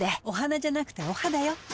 お花じゃなくてお肌よ。